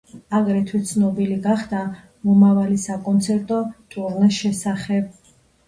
აგრეთვე ცნობილი გახდა მომავალი საკონცერტო ტურნეს შესახებ.